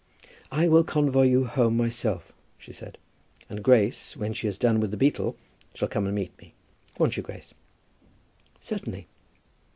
"I will convoy you home myself," she said, "and Grace, when she has done with the beetle, shall come and meet me. Won't you, Grace?" "Certainly."